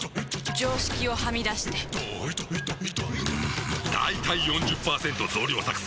常識をはみ出してんだいたい ４０％ 増量作戦！